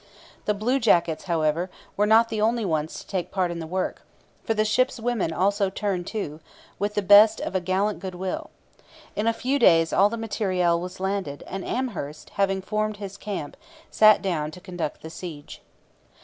The bluejackets, however, were not the only ones to take part in the work, for the ships' women also turned to, with the best of a gallant goodwill. In a few days all the material was landed; and Amherst, having formed his camp, sat down to conduct the siege.